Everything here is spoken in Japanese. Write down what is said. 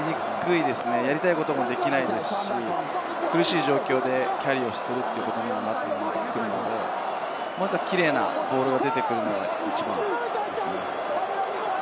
やりたいこともできないですし、苦しい状況でキャリーするということになるので、まずはキレイなボールが出てくるのが一番です。